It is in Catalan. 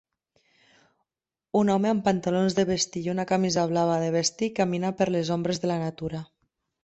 Un home amb pantalons de vestir i una camisa blava de vestir camina per les ombres de la natura.